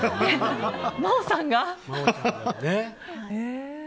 真央さんが。